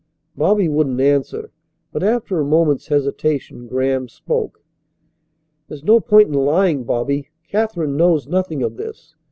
Bobby wouldn't answer, but after a moment's hesitation Graham spoke: "There's no point in lying, Bobby. Katherine knows nothing of this.